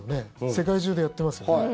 世界中でやってますよね。